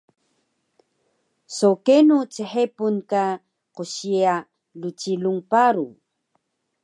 So kenu chepun ka qsiya rcilung paru?